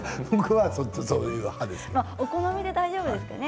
お好みで大丈夫ですよね？